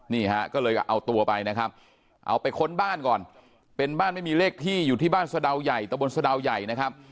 นี่ฮะก็เลยก็เอาตัวไปนะครับเอาไปค้นบ้านก่อนเป็นบ้านไม่มีเลขที่อยู่ที่บ้านสะดาวใหญ่ตะบนสะดาวใหญ่นะครับ